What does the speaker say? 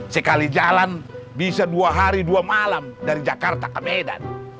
sekali jalan bisa dua hari dua malam dari jakarta ke medan